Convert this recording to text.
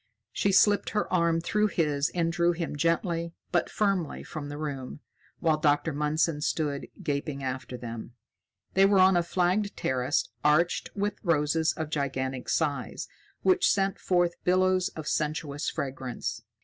She slipped her arm through his and drew him gently but firmly from the room, while Dr. Mundson stood gaping after them. They were on a flagged terrace arched with roses of gigantic size, which sent forth billows of sensuous fragrance.